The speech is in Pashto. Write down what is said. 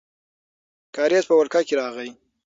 کارېز په ولکه کې راغی.